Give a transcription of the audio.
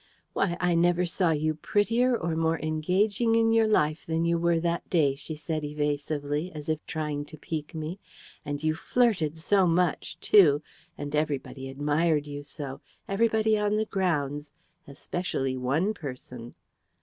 "Why, I never saw you prettier or more engaging in your life than you were that day," she said evasively, as if trying to pique me. "And you flirted so much, too! And everybody admired you so. Everybody on the grounds... especially one person!"